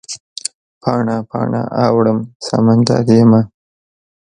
پاڼه، پاڼه اوړم سمندریمه